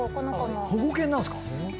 保護犬なんすか⁉